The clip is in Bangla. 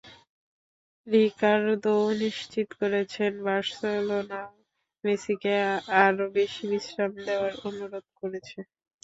রিকার্দোও নিশ্চিত করেছেন, বার্সেলোনাও মেসিকে আরও বেশি বিশ্রাম দেওয়ার অনুরোধ করেছে।